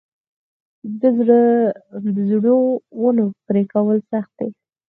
د زړو ونو پرې کول سخت دي؟